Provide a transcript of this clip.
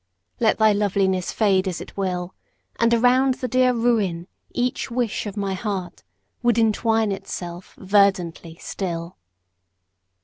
Let thy loveliness fade as it will. And around the dear ruin each wish of my heart Would entwine itself verdantly still.